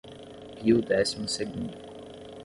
Pio Décimo-Segundo